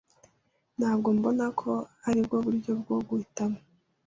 Ntabwo mbona ko aribwo buryo bwo guhitamo.